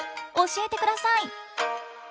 教えてください！